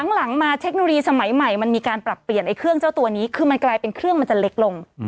หลังมาเทคโนโลยีสมัยใหม่มันมีการปรับเปลี่ยนไอ้เครื่องเจ้าตัวนี้คือมันกลายเป็นเครื่องมันจะเล็กลง